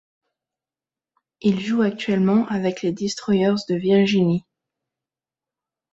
Il joue actuellement avec les Destroyers de Virginie.